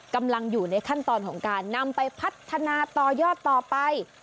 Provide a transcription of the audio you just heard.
กำลังอยู่ในขั้นตอนของการนำไปพัฒนาต่อยอดต่อไป